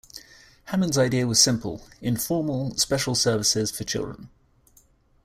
Hammond's idea was simple: informal, special services for children.